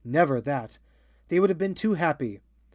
Never that! They would have been too happy.